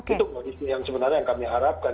itu yang sebenarnya yang kami harapkan